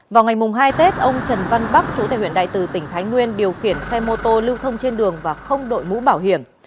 vào ngày hai tết ông trần văn bắc chú tại huyện đại từ tỉnh thái nguyên điều khiển xe mô tô lưu thông trên đường và không đội mũ bảo hiểm